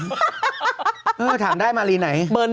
ถามได้มารีไหน